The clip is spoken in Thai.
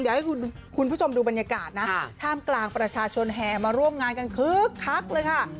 เดี๋ยวให้คุณผู้ชมดูบรรยากาศนะท่ามกลางประชาชนแห่มาร่วมงานกันคึกคักเลยค่ะ